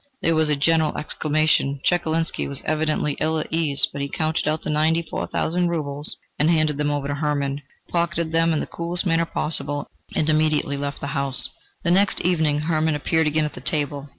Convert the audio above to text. There was a general exclamation. Chekalinsky was evidently ill at ease, but he counted out the ninety four thousand rubles and handed them over to Hermann, who pocketed them in the coolest manner possible and immediately left the house. The next evening Hermann appeared again at the table.